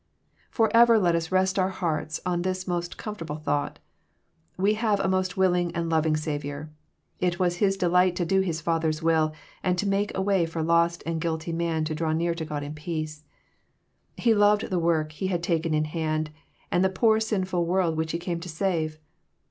Forever let us rest our hearts on this most comfort able thought. We have a most willing and loving Sav iour. It was His delight to do His Father's will, and to make a way for lost and guilty man to draw near to God in peace. He loved the work He had taken in hand, and the poor sinful world which He came to save.